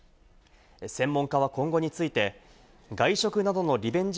専門家は今後について、外食などのリベンジ